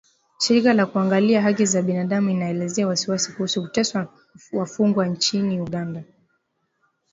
Shirika la Kuangalia Haki za Binadamu inaelezea wasiwasi kuhusu kuteswa wafungwa nchini Uganda.